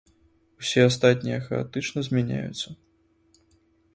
Усе астатнія хаатычна змяняюцца.